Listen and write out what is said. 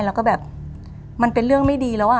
แล้วก็แบบมันเป็นเรื่องไม่ดีแล้วอะ